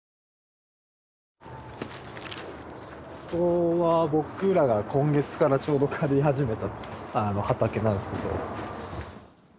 ここは僕らが今月からちょうど借り始めた畑なんすけど。